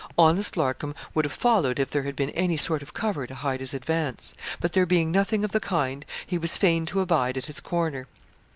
Honest Larcom would have followed if there had been any sort of cover to hide his advance; but there being nothing of the kind he was fain to abide at his corner.